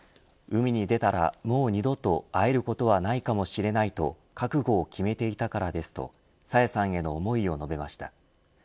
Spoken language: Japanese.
海に出たら、もう二度と会えることはないかもしれないと覚悟を決めていたからです、と朝芽さんへの思いを述べました。